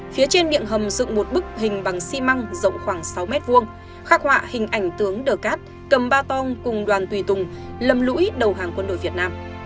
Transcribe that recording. phía trên miệng hầm dựng một bức hình bằng xi măng rộng khoảng sáu m hai khắc họa hình ảnh tướng đờ cát cầm ba tong cùng đoàn tùy tùng lâm đầu hàng quân đội việt nam